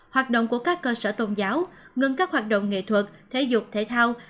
hoạt động của các cơ sở tôn giáo ngưng các hoạt động nghệ thuật thể dục thể thao